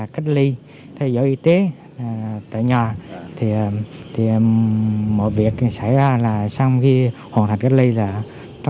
cách ly tiếp xúc vừa là